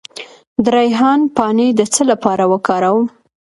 د ریحان پاڼې د څه لپاره وکاروم؟